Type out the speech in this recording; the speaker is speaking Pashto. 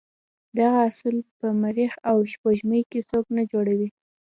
دغه اصول په مریخ او سپوږمۍ کې څوک نه جوړوي.